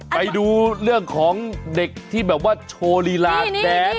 ไปดูเรื่องของเด็กที่แบบว่าโชว์ลีลาแดน